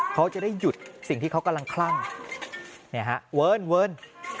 เขาจะได้หยุดสิ่งที่เขากำลังคลั่งเวิร์น